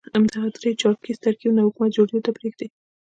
همدغه درې چارکیز ترکیب نه حکومت جوړېدو ته پرېږدي.